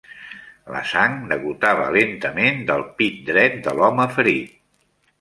La sang degotava lentament del pit dret de l'home ferit.